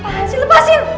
apaan sih lepasin